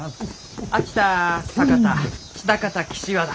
秋田酒田喜多方岸和田。